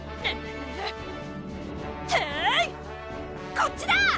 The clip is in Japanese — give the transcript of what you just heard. こっちだ！